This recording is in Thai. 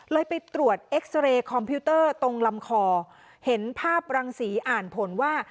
ไปตรวจเอ็กซาเรย์คอมพิวเตอร์ตรงลำคอเห็นภาพรังสีอ่านผลว่า